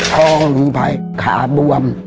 ต่อลงไปขาบว่ำ